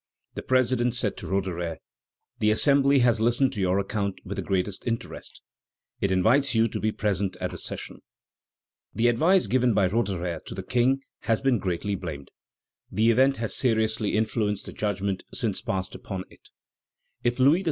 The president said to Roederer: "The Assembly has listened to your account with the greatest interest; it invites you to be present at the session." The advice given by Roederer to the King has been greatly blamed. The event has seriously influenced the judgment since passed upon it. If Louis XVI.